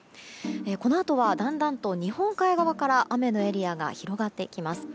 このあとはだんだんと日本海側から雨のエリアが広がっていきます。